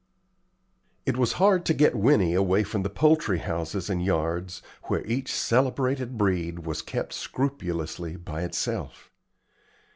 It was hard to get Winnie away from the poultry houses and yards, where each celebrated breed was kept scrupulously by itself.